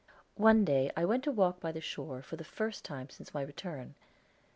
One day I went to walk by the shore, for the first time since my return.